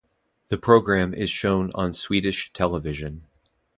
The programme is shown on Swedish television.